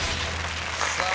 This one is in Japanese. さあ